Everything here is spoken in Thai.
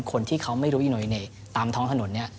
คนที่เขาไม่รู้อิโนอิเน่ตามท้องถนนเนี่ย